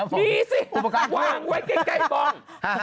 มีไหมมีสิวางไว้ไกลบอง